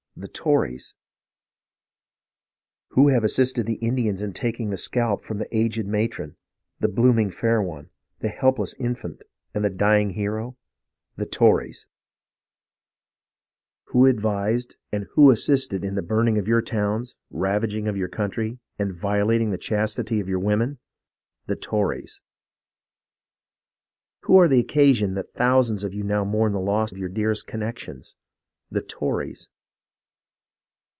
'' The Tories ! Who have assisted the Indians in taking the scalp from the aged matron, the blooming fair one, the helpless infant, and the dying hero ? The Tories ! Who 266 HISTORY OF THE AMERICAN REVOLUTION advised, and who assisted in burning your towns, ravaging your country, and violating the chastity of your women ? The Tories ! Who are the occasion that thousands of you now mourn the loss of your dearest connections ? The Tories